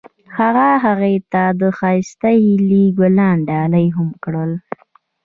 هغه هغې ته د ښایسته هیلې ګلان ډالۍ هم کړل.